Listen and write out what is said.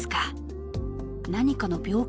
何かの病気？